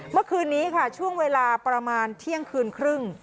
เมื่อคืนนี้ค่ะช่วงเวลาประมาณเที่ยงคืนครึ่ง